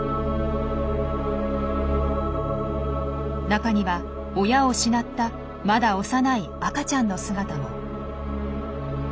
中には親を失ったまだ幼い赤ちゃんの姿も。